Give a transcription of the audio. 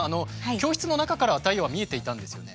教室の中からは太陽は見えていたんですよね？